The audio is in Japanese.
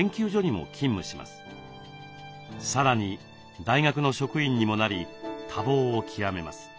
さらに大学の職員にもなり多忙を極めます。